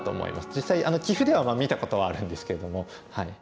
実際棋譜では見たことはあるんですけども。